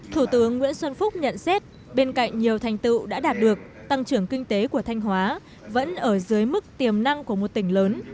thủ tướng nguyễn xuân phúc nhận xét bên cạnh nhiều thành tựu đã đạt được tăng trưởng kinh tế của thanh hóa vẫn ở dưới mức tiềm năng của một tỉnh lớn